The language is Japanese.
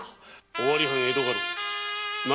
尾張藩江戸家老成